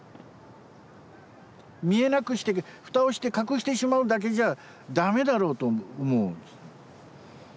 見えなくして蓋をして隠してしまうだけじゃダメだろうと思うんです。